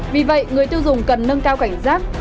vì vậy người tiêu dùng cần nâng cao cảnh giác